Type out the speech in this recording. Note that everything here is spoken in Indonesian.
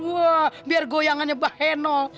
wah biar goyangannya baheno